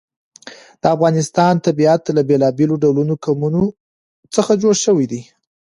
د افغانستان طبیعت له بېلابېلو ډولو قومونه څخه جوړ شوی دی.